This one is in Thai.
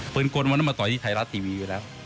กลวันนั้นมาต่อยที่ไทยรัฐทีวีอยู่แล้ว